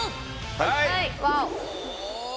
はい！